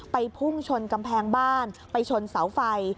พุ่งชนกำแพงบ้านไปชนเสาไฟ